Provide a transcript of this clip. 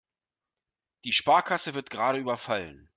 Die Sparkasse wird gerade überfallen.